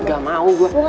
gak mau gue